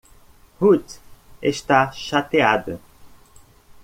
Ruth está chateada.